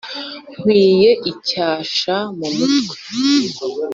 Nkwiye icyasha mu mutwe